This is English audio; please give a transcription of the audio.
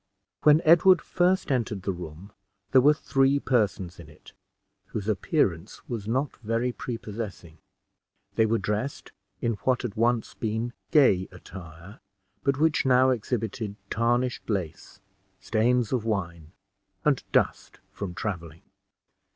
When Edward first entered the room, there were three persons in it, whose appearance was not very prepossessing. They were dressed in what had once been gay attire, but which now exhibited tarnished lace, stains of wine, arid dust from traveling.